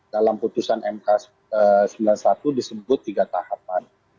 dalam putusan mk sembilan puluh satu disebut tiga tahapan